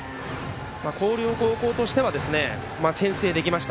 広陵高校としては先制できました。